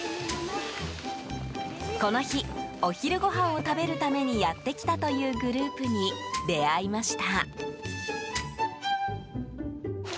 この日お昼ごはんを食べるためにやってきたというグループに出会いました。